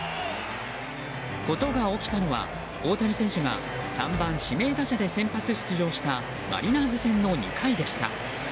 ことが起きたのは、大谷選手が３番指名打者で先発出場したマリナーズ戦の２回でした。